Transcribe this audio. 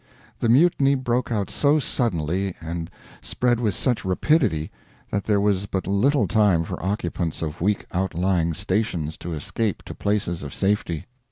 The Mutiny broke out so suddenly, and spread with such rapidity that there was but little time for occupants of weak outlying stations to escape to places of safety.